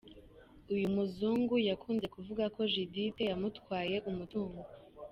Uyu muzungu yakunze kuvuga ko Judithe yamutwaye imitungo.